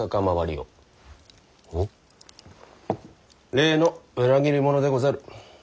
例の裏切り者でござる。